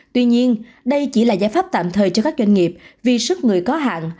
tuy nhiên đây chỉ là giải pháp tạm thời cho các doanh nghiệp vì sức người có hạn